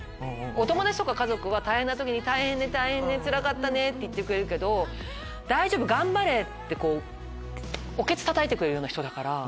お友達とか家族は大変な時に大変ねつらかったね！って言ってくれるけど大丈夫頑張れ！っておケツたたいてくれる人だから。